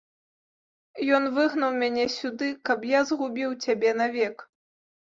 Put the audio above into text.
Ён выгнаў мяне сюды, каб я згубіў цябе навек.